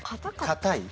かたい？